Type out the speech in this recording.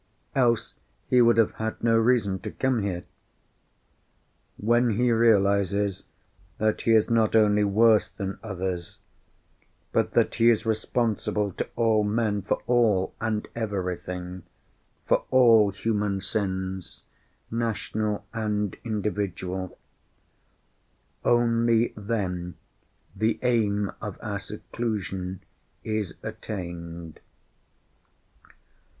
Else he would have had no reason to come here. When he realizes that he is not only worse than others, but that he is responsible to all men for all and everything, for all human sins, national and individual, only then the aim of our seclusion is attained.